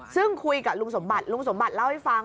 ซึ่งคุยกับลุงสมบัติลุงสมบัติเล่าให้ฟัง